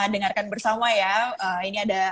dengarkan bersama ya ini ada